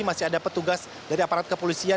masih ada petugas dari aparat kepolisian